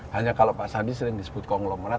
hanya kalau pak sandi sering disebut konglomerat